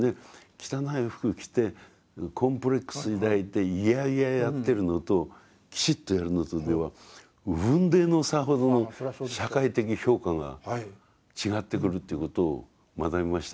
汚い服着てコンプレックス抱いて嫌々やってるのときちっとやるのとでは雲泥の差ほどの社会的評価が違ってくるということを学びましたね。